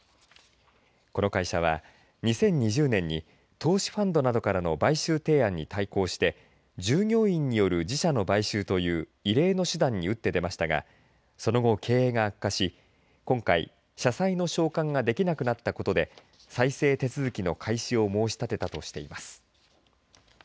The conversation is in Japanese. この会社は２０２０年に投資ファンドなどからの買収提案に対抗して従業員による自社の買収という異例の手段にうって出ましたがその後、経営が悪化し今回、社債の償還ができなくなったことで再生手続きの開始を申し立てたとしています。